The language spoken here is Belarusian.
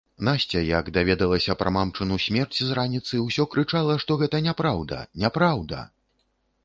Насця як даведалася пра мамчыну смерць з раніцы, усё крычала, што гэта няпраўда, няпраўда!